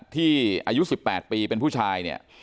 อายุ๑๘ปีเป็นผู้ชายเนี่ย